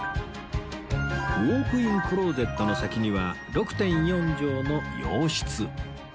ウォークインクローゼットの先には ６．４ 帖の洋室